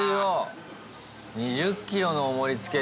２０ｋｇのおもりつけて。